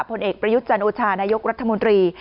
ผลเอกประยุทธ์จันโอชานายกรัฐมนตรี